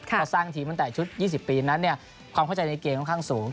พอสร้างทีมตั้งแต่ชุด๒๐ปีนั้นความเข้าใจในเกมค่อนข้างสูง